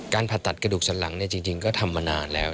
ผ่าตัดกระดูกสันหลังจริงก็ทำมานานแล้ว